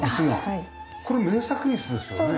これ名作椅子ですよね？